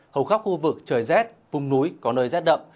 hầu khắp khu vực trời rét vùng núi có nơi rét đậm